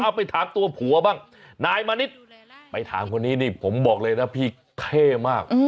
ไปถามตัวผัวบ้างนายมณิษฐ์ไปถามคนนี้นี่ผมบอกเลยนะพี่เท่มาก